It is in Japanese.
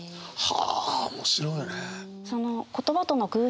はあ面白いね。